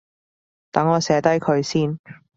等我寫低佢先